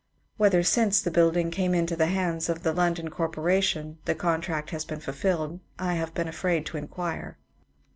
Whether since the building came into the hands of the London Corporation the contract has been fulfilled I have been afraid to inquire.